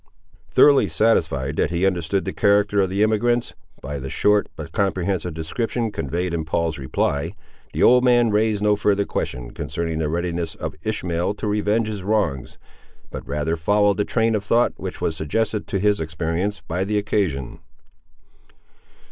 Thoroughly satisfied that he understood the character of the emigrants, by the short but comprehensive description conveyed in Paul's reply, the old man raised no further question concerning the readiness of Ishmael to revenge his wrongs, but rather followed the train of thought which was suggested to his experience, by the occasion.